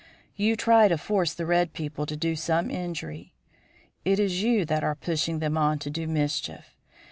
You try to force the red people to do some injury. It is you that are pushing them on to do mischief.